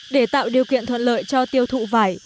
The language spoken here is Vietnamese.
để tạo điều kiện thuận lợi cho tiêu thụ vải